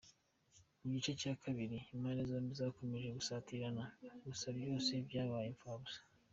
Mu gice cya kabiri impande zombi zakomeje gusatirana gusa byose byabaye imfabusa.